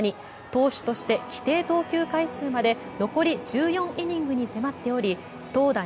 投手として規定投球回数まで残り１４イニングに迫っており投打